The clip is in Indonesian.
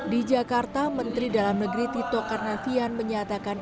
di jakarta menteri dalam negeri tito karnavian menyatakan